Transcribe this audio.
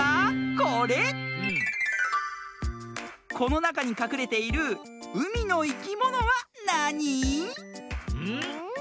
このなかにかくれている「うみのいきもの」はなに？